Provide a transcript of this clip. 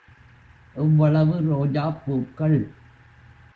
எவ்வளவு ரோஜாப் பூக்கள்!